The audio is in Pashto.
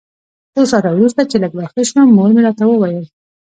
څو ساعته وروسته چې لږ راښه شوم مور مې راته وویل.